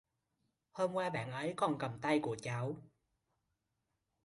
hôm qua bạn ấy còn cầm tay của cháu